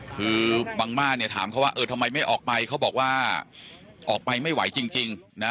คือบางบ้านเนี่ยถามเขาว่าเออทำไมไม่ออกไปเขาบอกว่าออกไปไม่ไหวจริงนะ